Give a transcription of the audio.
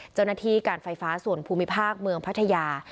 เจ้าหน้าที่การไฟฟ้าส่วนภูมิภาคเมืองพัทยา